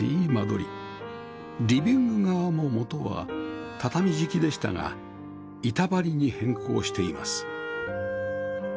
リビング側も元は畳敷きでしたが板張りに変更しています